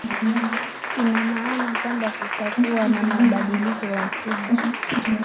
ina maana kwamba kutakuwa na mabadiliko makubwa